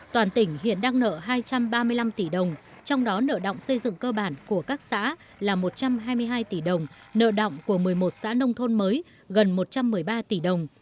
toàn tỉnh hiện đang nợ hai trăm ba mươi năm tỷ đồng trong đó nợ động xây dựng cơ bản của các xã là một trăm hai mươi hai tỷ đồng nợ động của một mươi một xã nông thôn mới gần một trăm một mươi ba tỷ đồng